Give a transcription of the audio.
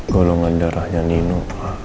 golongan darahnya nino